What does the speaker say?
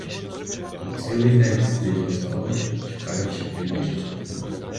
Тут цілий день сидить господар, чекаючи приїжджих.